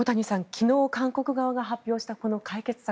昨日、韓国側が発表したこの解決策